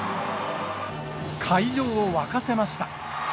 会場を沸かせました。